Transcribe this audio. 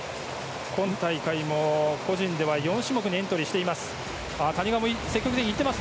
今大会も個人では４種目にエントリーしています。